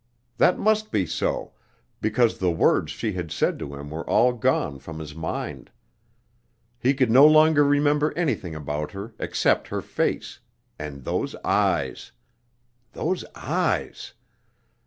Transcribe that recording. That must be so, because the words she had said to him were all gone from his mind. He could no longer remember anything about her except her face and those eyes. Those eyes!